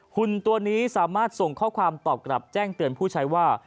หุ่นตัวนี้สามารถส่งข้อความตอบกลับแจ้งเตือนผู้ใช้ว่า